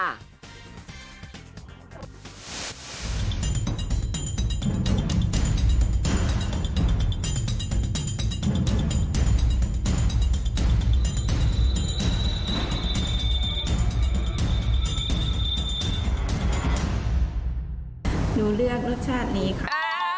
หนูเลือกรสชาตินี้ค่ะ